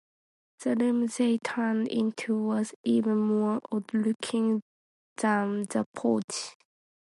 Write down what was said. The room they turned into was even more odd-looking than the porch.